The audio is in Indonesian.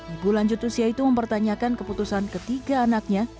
ibu lanjut usia itu mempertanyakan keputusan ketiga anaknya